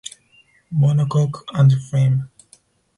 Monocoque underframe.